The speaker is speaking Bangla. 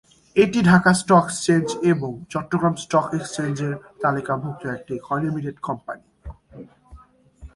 এটি ঢাকা স্টক এক্সচেঞ্জ এবং চট্টগ্রাম স্টক এক্সচেঞ্জের তালিকাভুক্ত একটি লিমিটেড কোম্পানি।